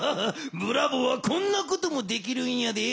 ブラボーはこんなこともできるんやで。